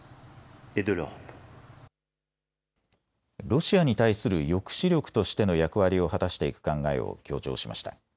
ロシアに対する抑止力としての役割を果たしていく考えを強調しました。